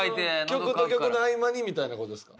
曲と曲の合間にみたいな事ですか？